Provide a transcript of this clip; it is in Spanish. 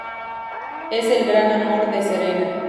Es el gran amor de Serena.